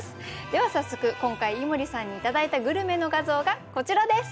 では早速今回井森さんに頂いたグルメの画像がこちらです。